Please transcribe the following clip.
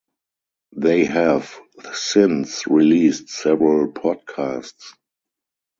They have since released several podcasts.